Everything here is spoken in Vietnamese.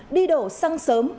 đi đổ xăng sớm